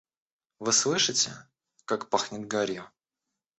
— Вы слышите, как пахнет гарью.